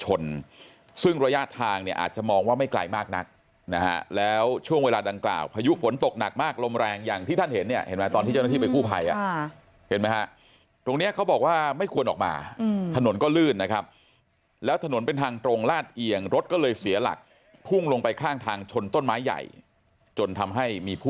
ซึ่งระยะทางเนี่ยอาจจะมองว่าไม่ไกลมากนักนะฮะแล้วช่วงเวลาดังกล่าวพายุฝนตกหนักมากลมแรงอย่างที่ท่านเห็นเนี่ยเห็นไหมตอนที่เจ้าหน้าที่ไปกู้ภัยเห็นไหมฮะตรงเนี้ยเขาบอกว่าไม่ควรออกมาถนนก็ลื่นนะครับแล้วถนนเป็นทางตรงลาดเอียงรถก็เลยเสียหลักพุ่งลงไปข้างทางชนต้นไม้ใหญ่จนทำให้มีผู้